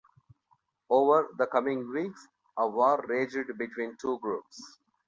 Over the coming weeks, a war raged between two groups.